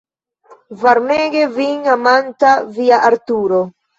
Varmege vin amanta via Arturo.